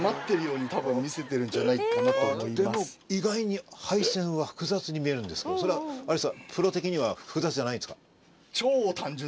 でも意外に配線は複雑に見えるんですけどそれはプロ的には複雑じゃないんですか？